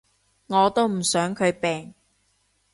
我都唔想佢病